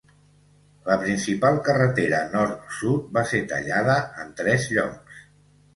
La principal carretera nord-sud va ser tallada en tres llocs.